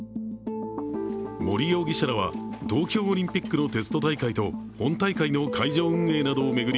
森容疑者らは東京オリンピックのテスト大会と本大会の会場運営などを巡り